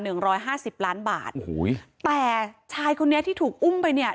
หนึ่งร้อยห้าสิบล้านบาทโอ้โหแต่ชายคนนี้ที่ถูกอุ้มไปเนี่ย